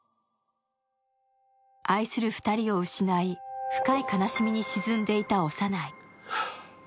愛する２人を失い深い悲しみに沈んでいた小山内。